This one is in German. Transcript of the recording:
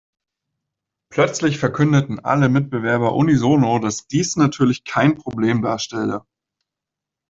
Plötzlich verkündeten alle Mitbewerber unisono, dass dies natürlich kein Problem darstelle.